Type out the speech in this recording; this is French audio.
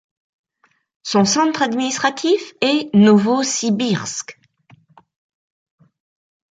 Son centre administratif est Novossibirsk.